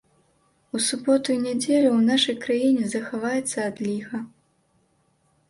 У суботу і нядзелю ў нашай краіне захаваецца адліга.